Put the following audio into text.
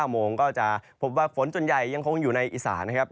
โมงก็จะพบว่าฝนส่วนใหญ่ยังคงอยู่ในอีสานนะครับ